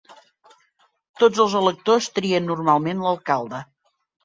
Tots els electors trien normalment l'alcalde.